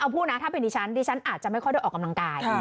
พูดนะถ้าเป็นดิฉันดิฉันอาจจะไม่ค่อยได้ออกกำลังกาย